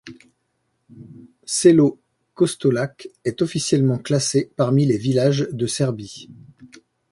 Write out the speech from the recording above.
Selo Kostolac est officiellement classé parmi les villages de Serbie.